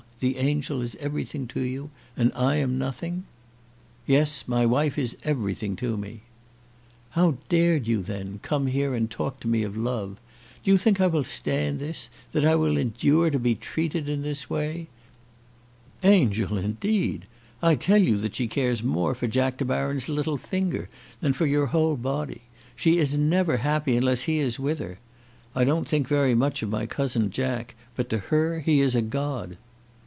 The angel is everything to you, and I am nothing?" "Yes; my wife is everything to me." "How dared you, then, come here and talk to me of love? Do you think I will stand this, that I will endure to be treated in this way? Angel, indeed! I tell you that she cares more for Jack De Baron's little finger than for your whole body. She is never happy unless he is with her. I don't think very much of my cousin Jack, but to her he is a god."